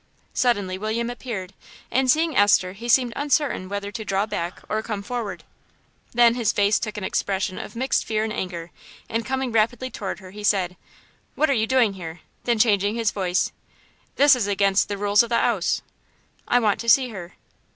Suddenly William appeared, and seeing Esther he seemed uncertain whether to draw back or come forward. Then his face took an expression of mixed fear and anger; and coming rapidly towards her, he said "What are you doing here?"... then changing his voice, "This is against the rules of the 'ouse." "I want to see her."